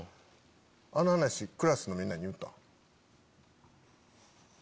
あの話クラスのみんなに言った？